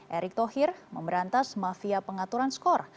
erick thohir memberantas mafia pengaturan skor